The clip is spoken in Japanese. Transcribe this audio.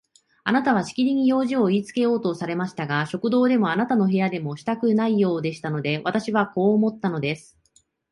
あなたはしきりに用事をいいつけようとされましたが、食堂でもあなたの部屋でもしたくないようでしたので、私はこう思ったんです。